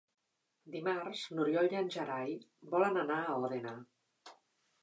Dimarts n'Oriol i en Gerai volen anar a Òdena.